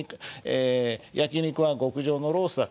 焼肉は、極上のロースだった」